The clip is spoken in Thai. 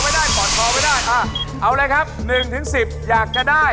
และจะบวกเพิ่มตามเวลาที่ฝ่ายหญิงเปิดแผ่นป้ายได้